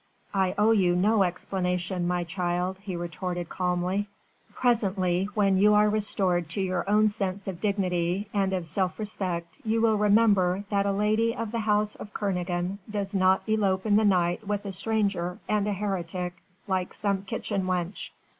"I owe you no explanation, my child," he retorted calmly. "Presently when you are restored to your own sense of dignity and of self respect you will remember that a lady of the house of Kernogan does not elope in the night with a stranger and a heretic like some kitchen wench.